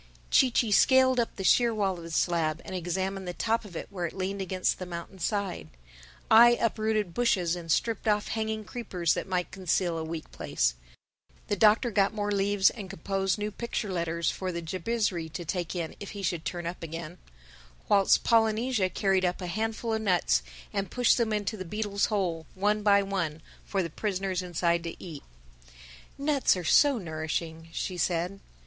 Chee Chee scaled up the sheer wall of the slab and examined the top of it where it leaned against the mountain's side; I uprooted bushes and stripped off hanging creepers that might conceal a weak place; the Doctor got more leaves and composed new picture letters for the Jabizri to take in if he should turn up again; whilst Polynesia carried up a handful of nuts and pushed them into the beetle's hole, one by one, for the prisoners inside to eat. "Nuts are so nourishing," she said.